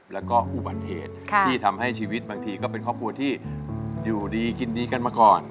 แล้วก็อุบัติเหตุที่ทำให้ชีวิตบางทีก็เป็นครอบครัวที่อยู่ดีกินดีกันมาก่อน